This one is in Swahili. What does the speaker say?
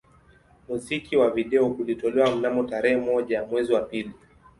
Muziki wa video ulitolewa mnamo tarehe moja mwezi wa pili